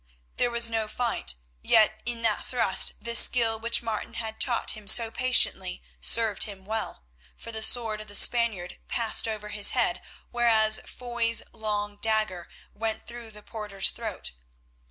There was no fight, yet in that thrust the skill which Martin had taught him so patiently served him well, for the sword of the Spaniard passed over his head, whereas Foy's long dagger went through the porter's throat.